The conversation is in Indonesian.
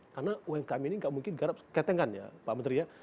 karena unkm ini gak mungkin garap ketengan ya pak menteri ya